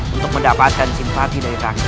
untuk mendapatkan simpati dari taksi